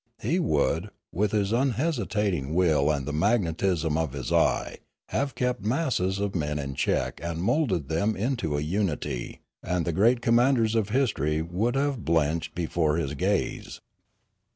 He would, with his unhesitating will and the magnetism of his eye, have kept masses of men in check and moulded them into a unity, and the great commanders of history would have blenched before his gaze.